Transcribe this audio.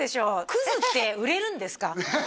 クズって売れるんですか？